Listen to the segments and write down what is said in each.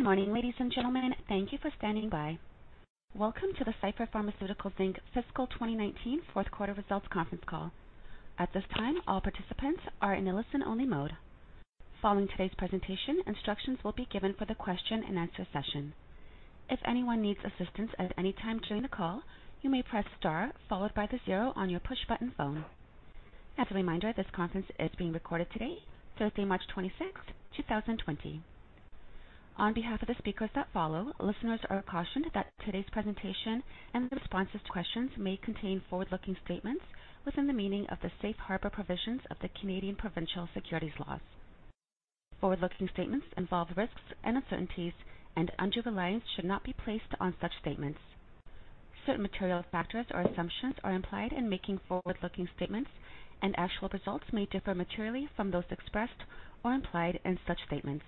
Good morning, ladies and gentlemen. Thank you for standing by. Welcome to the Cipher Pharmaceuticals Inc fiscal 2019 fourth quarter results conference call. At this time, all participants are in a listen-only mode. Following today's presentation, instructions will be given for the question-and-answer session. If anyone needs assistance at any time during the call, you may press star followed by the zero on your push-button phone. As a reminder, this conference is being recorded today, Thursday, March 26th, 2020. On behalf of the speakers that follow, listeners are cautioned that today's presentation and the responses to questions may contain forward-looking statements within the meaning of the safe harbor provisions of the Canadian provincial securities laws. Forward-looking statements involve risks and uncertainties, and undue reliance should not be placed on such statements. Certain material factors or assumptions are implied in making forward-looking statements, and actual results may differ materially from those expressed or implied in such statements.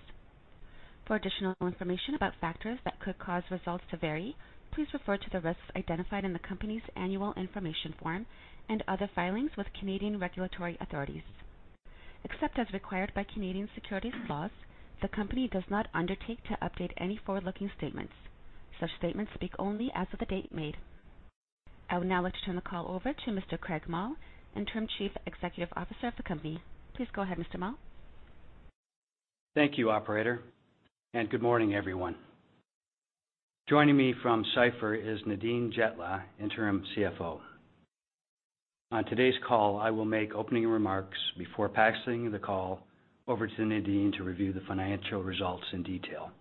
For additional information about factors that could cause results to vary, please refer to the risks identified in the company's annual information form and other filings with Canadian regulatory authorities. Except as required by Canadian Securities Laws, the company does not undertake to update any forward-looking statements. Such statements speak only as of the date made. I would now like to turn the call over to Mr. Craig Mull, Interim Chief Executive Officer of the company. Please go ahead, Mr. Mull. Thank you, Operator. And good morning, everyone. Joining me from Cipher is Nadine Jutlah, Interim CFO. On today's call, I will make opening remarks before passing the call over to Nadine to review the financial results in detail.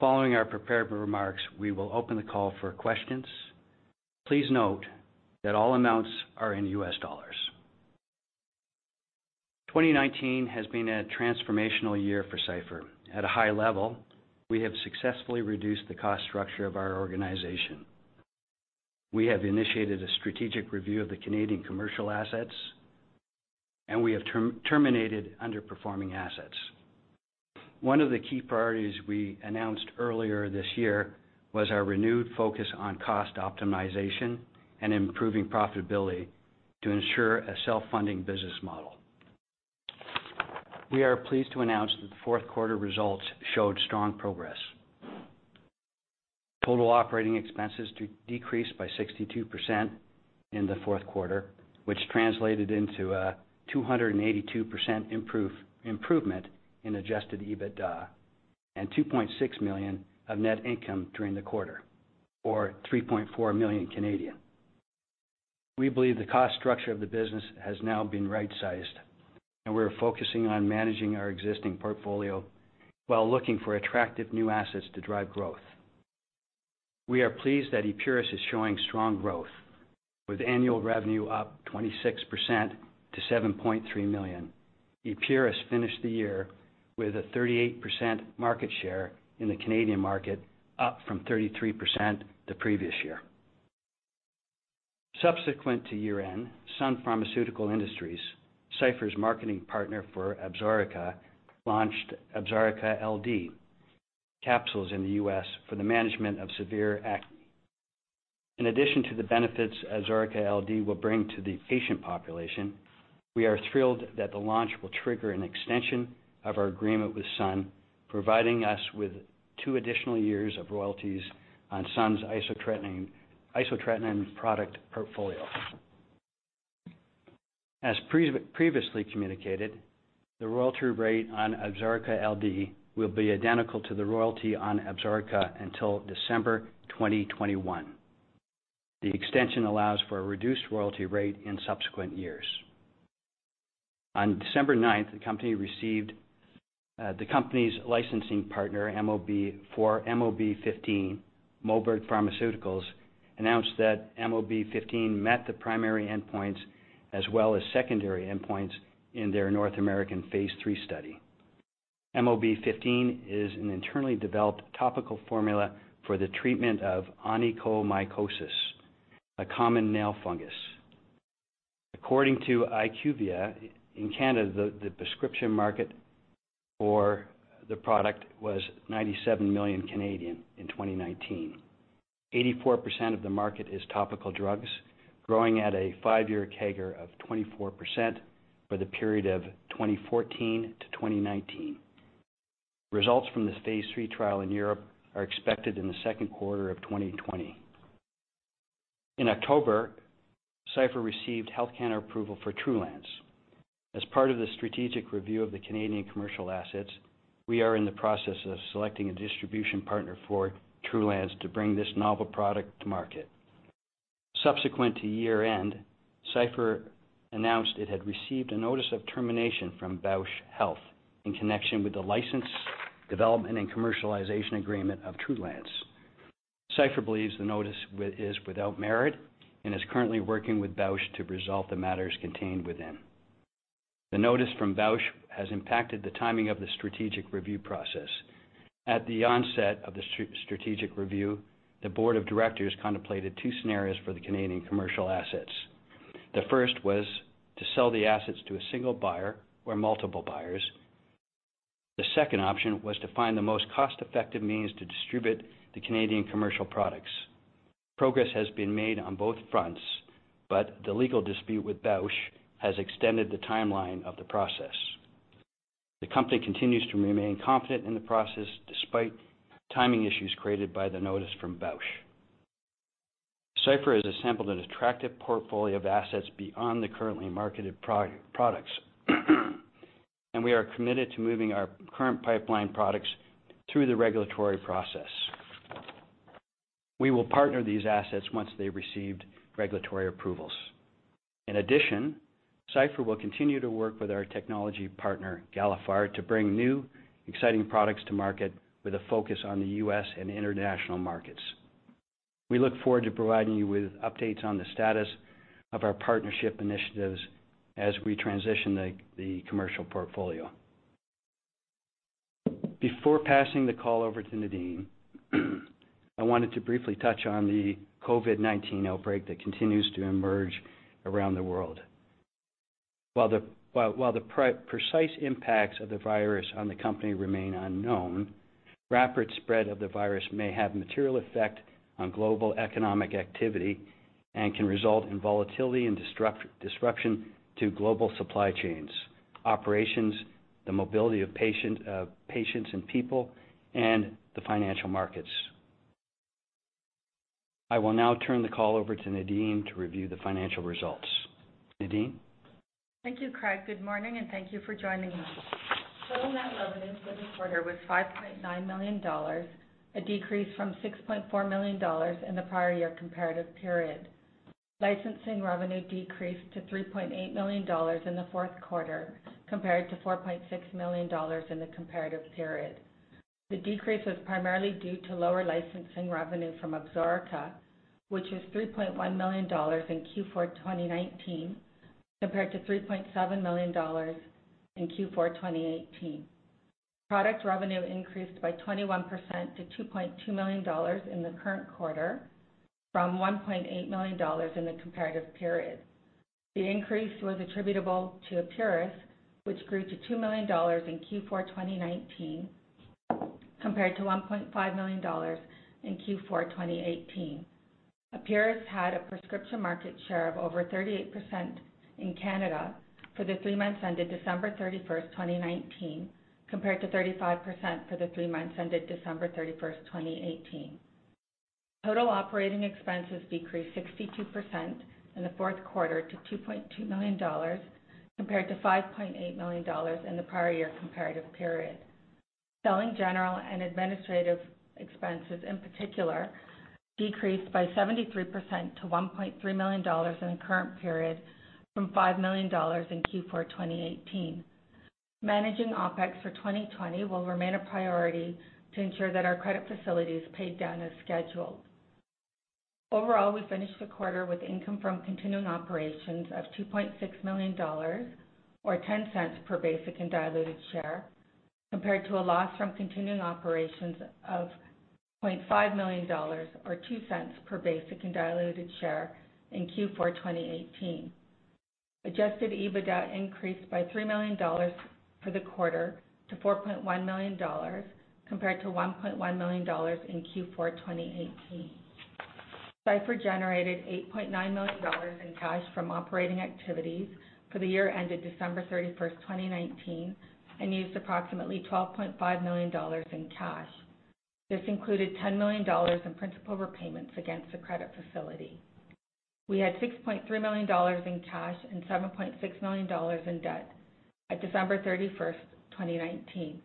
Following our prepared remarks, we will open the call for questions. Please note that all amounts are in U.S. dollars. 2019 has been a transformational year for Cipher. At a high level, we have successfully reduced the cost structure of our organization. We have initiated a strategic review of the Canadian commercial assets, and we have terminated underperforming assets. One of the key priorities we announced earlier this year was our renewed focus on cost optimization and improving profitability to ensure a self-funding business model. We are pleased to announce that the fourth quarter results showed strong progress. Total operating expenses decreased by 62% in the fourth quarter, which translated into a 282% improvement in Adjusted EBITDA and $2.6 million of net income during the quarter, or 3.4 million. We believe the cost structure of the business has now been right-sized, and we're focusing on managing our existing portfolio while looking for attractive new assets to drive growth. We are pleased that Epuris is showing strong growth, with annual revenue up 26% to 7.3 million. Epuris finished the year with a 38% market share in the Canadian market, up from 33% the previous year. Subsequent to year-end, Sun Pharmaceutical Industries, Cipher's marketing partner for Absorica, launched Absorica LD capsules in the U.S. for the management of severe acne. In addition to the benefits Absorica LD will bring to the patient population, we are thrilled that the launch will trigger an extension of our agreement with Sun, providing us with two additional years of royalties on Sun's isotretinoin product portfolio. As previously communicated, the royalty rate on Absorica LD will be identical to the royalty on Absorica until December 2021. The extension allows for a reduced royalty rate in subsequent years. On December 9th, the company's licensing partner, Moberg for MOB-015, Moberg Pharma, announced that MOB-015 met the primary endpoints as well as secondary endpoints in their North American phase III study. MOB-015 is an internally developed topical formula for the treatment of onychomycosis, a common nail fungus. According to IQVIA, in Canada, the prescription market for the product was 97 million in 2019. 84% of the market is topical drugs, growing at a five-year CAGR of 24% for the period of 2014-2019. Results from the phase III trial in Europe are expected in the second quarter of 2020. In October, Cipher received Health Canada approval for Trulance. As part of the strategic review of the Canadian commercial assets, we are in the process of selecting a distribution partner for Trulance to bring this novel product to market. Subsequent to year-end, Cipher announced it had received a notice of termination from Bausch Health in connection with the license, development, and commercialization agreement of Trulance. Cipher believes the notice is without merit and is currently working with Bausch to resolve the matters contained within. The notice from Bausch has impacted the timing of the strategic review process. At the onset of the strategic review, the board of directors contemplated two scenarios for the Canadian commercial assets. The first was to sell the assets to a single buyer or multiple buyers. The second option was to find the most cost-effective means to distribute the Canadian commercial products. Progress has been made on both fronts, but the legal dispute with Bausch has extended the timeline of the process. The company continues to remain confident in the process despite timing issues created by the notice from Bausch. Cipher has assembled an attractive portfolio of assets beyond the currently marketed products, and we are committed to moving our current pipeline products through the regulatory process. We will partner these assets once they've received regulatory approvals. In addition, Cipher will continue to work with our technology partner, Galephar, to bring new, exciting products to market with a focus on the U.S. and international markets. We look forward to providing you with updates on the status of our partnership initiatives as we transition the commercial portfolio. Before passing the call over to Nadine, I wanted to briefly touch on the COVID-19 outbreak that continues to emerge around the world. While the precise impacts of the virus on the company remain unknown, rapid spread of the virus may have a material effect on global economic activity and can result in volatility and disruption to global supply chains, operations, the mobility of patients and people, and the financial markets. I will now turn the call over to Nadine to review the financial results. Nadine? Thank you, Craig. Good morning, and thank you for joining us. Total net revenue for the quarter was $5.9 million, a decrease from $6.4 million in the prior year comparative period. Licensing revenue decreased to $3.8 million in the fourth quarter, compared to $4.6 million in the comparative period. The decrease was primarily due to lower licensing revenue from Absorica, which was $3.1 million in Q4 2019, compared to $3.7 million in Q4 2018. Product revenue increased by 21% to $2.2 million in the current quarter, from $1.8 million in the comparative period. The increase was attributable to Epuris, which grew to $2 million in Q4 2019, compared to $1.5 million in Q4 2018. Epuris had a prescription market share of over 38% in Canada for the three months ended December 31st, 2019, compared to 35% for the three months ended December 31st, 2018. Total operating expenses decreased 62% in the fourth quarter to $2.2 million, compared to $5.8 million in the prior year comparative period. Selling general and administrative expenses, in particular, decreased by 73% to $1.3 million in the current period, from $5 million in Q4 2018. Managing OpEx for 2020 will remain a priority to ensure that our credit facility is paid down as scheduled. Overall, we finished the quarter with income from continuing operations of $2.6 million, or $0.10 per basic and diluted share, compared to a loss from continuing operations of $0.5 million, or $0.02 per basic and diluted share in Q4 2018. Adjusted EBITDA increased by $3 million for the quarter to $4.1 million, compared to $1.1 million in Q4 2018. Cipher generated $8.9 million in cash from operating activities for the year-ended December 31st, 2019, and used approximately $12.5 million in cash. This included $10 million in principal repayments against the credit facility. We had $6.3 million in cash and $7.6 million in debt at December 31st, 2019.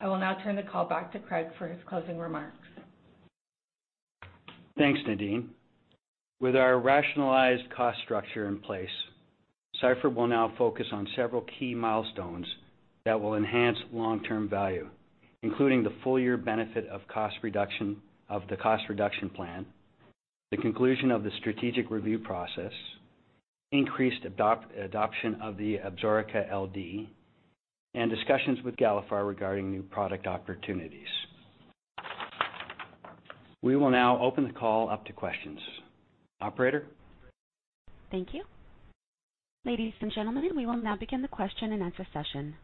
I will now turn the call back to Craig for his closing remarks. Thanks, Nadine. With our rationalized cost structure in place, Cipher will now focus on several key milestones that will enhance long-term value, including the full-year benefit of the cost reduction plan, the conclusion of the strategic review process, increased adoption of the Absorica LD, and discussions with Galephar regarding new product opportunities. We will now open the call up to questions. Operator? Thank you. Ladies and gentlemen, we will now begin the question-and-answer session.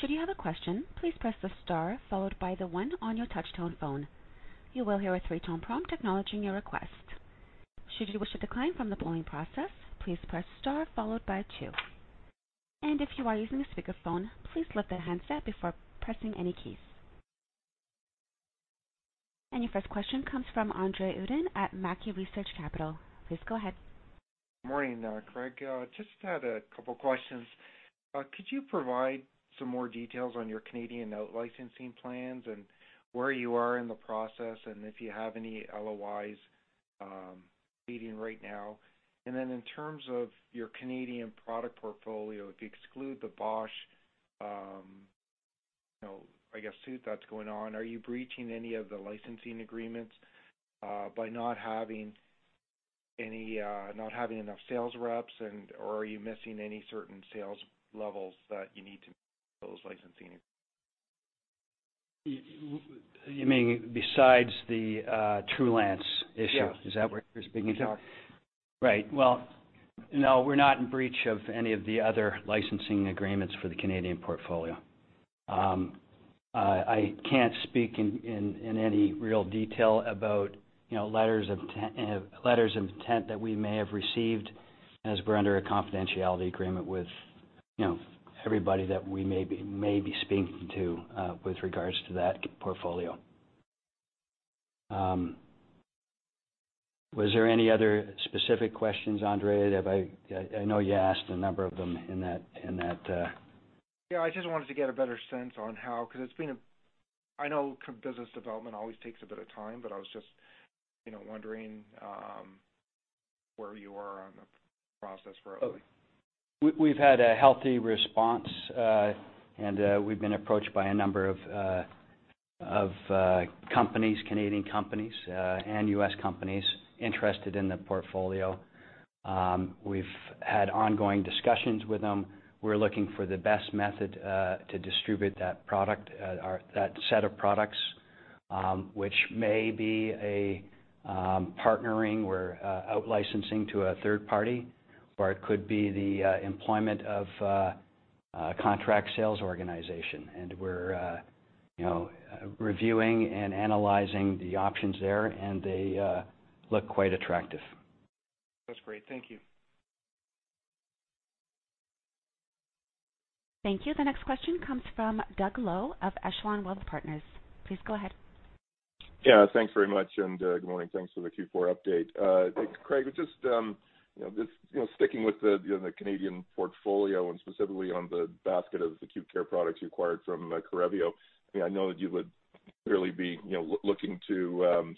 Should you have a question, please press the star followed by the one on your touch-tone phone. You will hear a three-tone prompt acknowledging your request. Should you wish to decline from the polling process, please press star followed by two. And if you are using a speakerphone, please lift the handset before pressing any keys. And your first question comes from Andre Uddin at Mackie Research Capital. Please go ahead. Morning, Craig. Just had a couple of questions. Could you provide some more details on your Canadian licensing plans and where you are in the process, and if you have any LOIs leading right now? And then in terms of your Canadian product portfolio, if you exclude the Bausch, I guess, suit that's going on, are you breaching any of the licensing agreements by not having enough sales reps, or are you missing any certain sales levels that you need to meet those licensing agreements? You mean besides the Trulance issue? Is that what you're speaking to? Right. Well, no, we're not in breach of any of the other licensing agreements for the Canadian portfolio. I can't speak in any real detail about letters of intent that we may have received as we're under a confidentiality agreement with everybody that we may be speaking to with regards to that portfolio. Was there any other specific questions, Andre? I know you asked a number of them in that. Yeah, I just wanted to get a better sense on how, because it's been a, I know business development always takes a bit of time, but I was just wondering where you are on the process road? We've had a healthy response, and we've been approached by a number of companies, Canadian companies and U.S. companies interested in the portfolio. We've had ongoing discussions with them. We're looking for the best method to distribute that product, that set of products, which may be a partnering or out-licensing to a third party, or it could be the employment of a contract sales organization, and we're reviewing and analyzing the options there, and they look quite attractive. That's great. Thank you. Thank you. The next question comes from Doug Loe of Echelon Wealth Partners. Please go ahead. Yeah, thanks very much, and good morning. Thanks for the Q4 update. Craig, just sticking with the Canadian portfolio and specifically on the basket of acute care products you acquired from Correvio, I mean, I know that you would clearly be looking to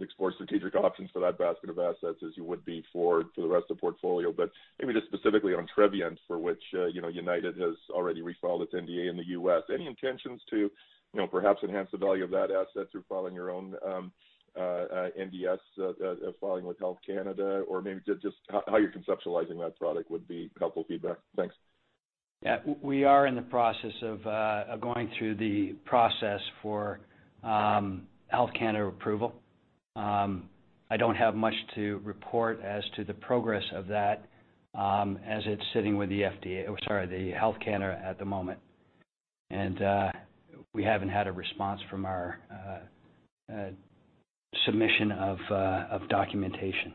explore strategic options for that basket of assets as you would be for the rest of the portfolio. But maybe just specifically on Trevyent, for which United has already refiled its NDA in the U.S. Any intentions to perhaps enhance the value of that asset through filing your own NDS, filing with Health Canada, or maybe just how you're conceptualizing that product would be helpful feedback? Thanks. Yeah, we are in the process of going through the process for Health Canada approval. I don't have much to report as to the progress of that as it's sitting with the FDA or, sorry, the Health Canada at the moment. And we haven't had a response from our submission of documentation.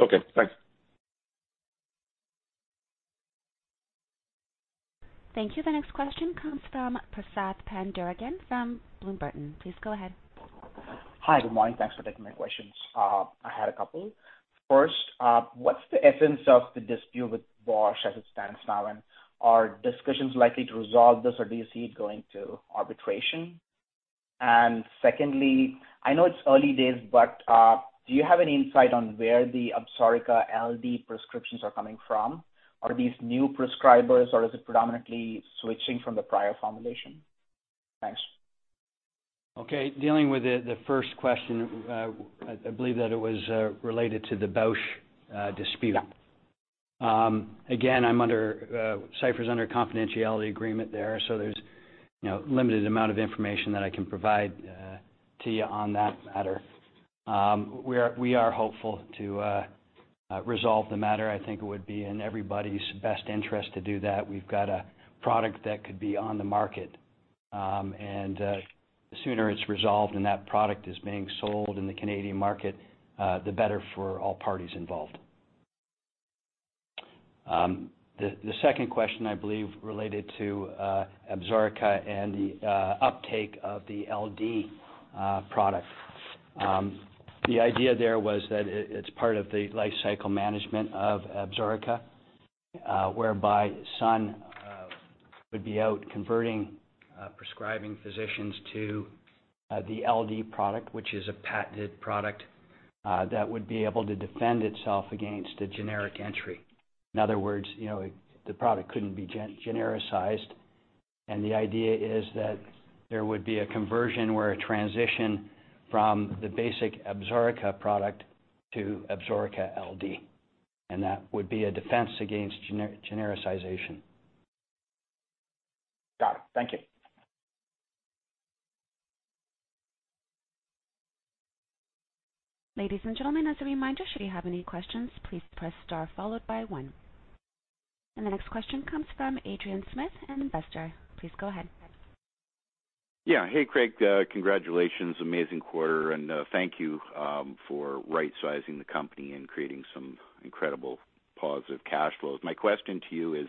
Okay. Thanks. Thank you. The next question comes from Prasath Pandurangan from Bloom Burton. Please go ahead. Hi, good morning. Thanks for taking my questions. I had a couple. First, what's the essence of the dispute with Bausch as it stands now? And are discussions likely to resolve this, or do you see it going to arbitration? And secondly, I know it's early days, but do you have any insight on where the Absorica LD prescriptions are coming from? Are these new prescribers, or is it predominantly switching from the prior formulation? Thanks. Okay. Dealing with the first question, I believe that it was related to the Bausch dispute. Again, Cipher's under a confidentiality agreement there, so there's a limited amount of information that I can provide to you on that matter. We are hopeful to resolve the matter. I think it would be in everybody's best interest to do that. We've got a product that could be on the market. And the sooner it's resolved and that product is being sold in the Canadian market, the better for all parties involved. The second question, I believe, related to Absorica and the uptake of the LD product. The idea there was that it's part of the life cycle management of Absorica, whereby Sun would be out converting prescribing physicians to the LD product, which is a patented product that would be able to defend itself against a generic entry. In other words, the product couldn't be genericized. And the idea is that there would be a conversion or a transition from the basic Absorica product to Absorica LD. And that would be a defense against genericization. Got it. Thank you. Ladies and gentlemen, as a reminder, should you have any questions, please press star followed by one, and the next question comes from Adrian Smith an investor. Please go ahead. Yeah. Hey, Craig. Congratulations. Amazing quarter. And thank you for right-sizing the company and creating some incredible positive cash flows. My question to you is,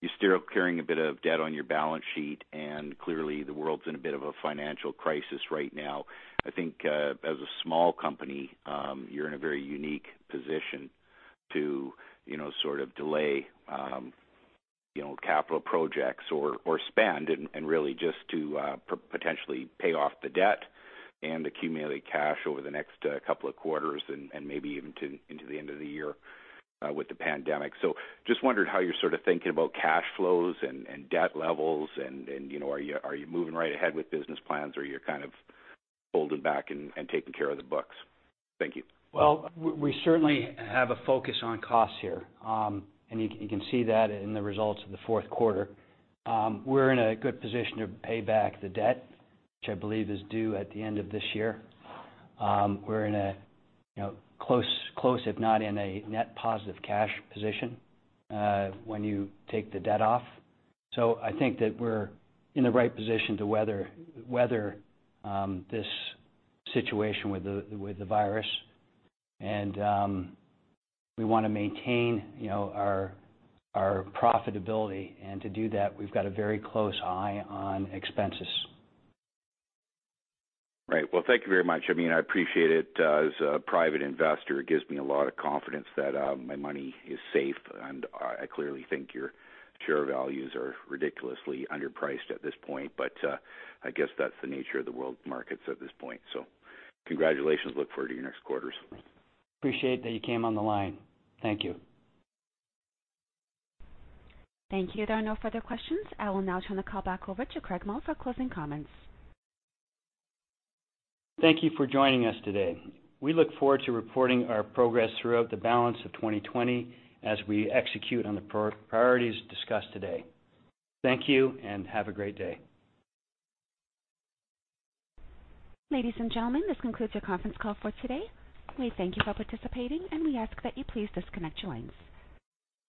you're still carrying a bit of debt on your balance sheet, and clearly the world's in a bit of a financial crisis right now. I think as a small company, you're in a very unique position to sort of delay capital projects or spend, and really just to potentially pay off the debt and accumulate cash over the next couple of quarters and maybe even into the end of the year with the pandemic. So just wondered how you're sort of thinking about cash flows and debt levels, and are you moving right ahead with business plans, or are you kind of holding back and taking care of the books? Thank you. We certainly have a focus on costs here, and you can see that in the results of the fourth quarter. We're in a good position to pay back the debt, which I believe is due at the end of this year. We're in a close, if not in a net positive cash position when you take the debt off. So I think that we're in the right position to weather this situation with the virus. And we want to maintain our profitability. And to do that, we've got a very close eye on expenses. Right. Well, thank you very much. I mean, I appreciate it as a private investor. It gives me a lot of confidence that my money is safe. And I clearly think your share values are ridiculously underpriced at this point. But I guess that's the nature of the world. Markets at this point. So congratulations. Look forward to your next quarters. Appreciate that you came on the line. Thank you. Thank you. There are no further questions. I will now turn the call back over to Craig Mull for closing comments. Thank you for joining us today. We look forward to reporting our progress throughout the balance of 2020 as we execute on the priorities discussed today. Thank you, and have a great day. Ladies and gentlemen, this concludes our conference call for today. We thank you for participating, and we ask that you please disconnect your lines.